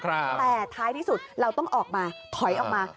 แต่ท้ายที่สุดเราต้องออกมาถอยออกมา